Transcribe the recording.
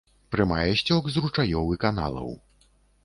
Прымае сцёк з ручаёў і каналаў.